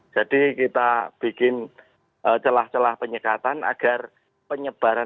jadi kita bikin celah celah penyekatan agar penyekatan